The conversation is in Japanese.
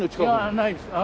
ないです。